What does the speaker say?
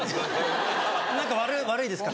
何か悪いですか？